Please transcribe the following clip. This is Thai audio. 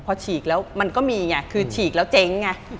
พอฉีกแล้วมันก็มีไงคือฉีกแล้วเจ๊งไง